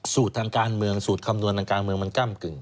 ทางการเมืองสูตรคำนวณทางการเมืองมันก้ำกึ่ง